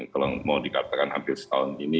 kalau mau dikatakan hampir setahun ini